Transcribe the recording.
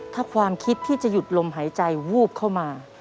ถ้าความคิดที่จะหยุดลมหายใจวูบเข้ามา